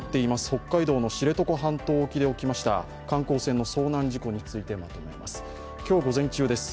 北海道の知床半島沖で起きました観光船の遭難事故についてです。